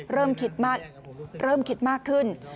เริ่มคิดมากขึ้น